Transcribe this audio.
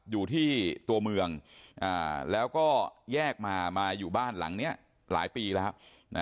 อยู่ที่ตัวเมืองแล้วก็แยกมามาอยู่บ้านหลังนี้หลายปีแล้ว